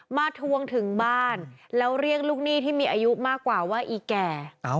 ทวงถึงบ้านแล้วเรียกลูกหนี้ที่มีอายุมากกว่าว่าอีแก่